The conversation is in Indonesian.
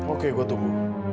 oke gue tunggu